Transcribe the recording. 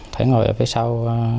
thì ngồi ở phía sau